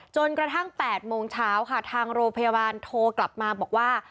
จนกระทั่ง๘โมงเช้าค่ะทางโรงพยาบาลโทรกลับมาบอกว่า